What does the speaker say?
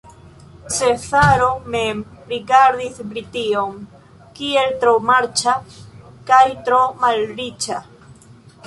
Cezaro mem rigardis Brition kiel tro marĉa kaj tro malriĉa.